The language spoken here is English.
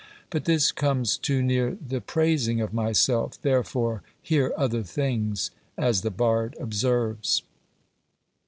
"But this comes too near the praising of myself; therefore hear other things," as the bard observes.